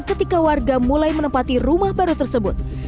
ketika warga mulai menempati rumah baru tersebut